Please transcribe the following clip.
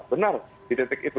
benar di detik itu